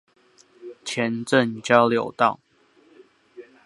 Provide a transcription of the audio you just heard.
前鎮交流道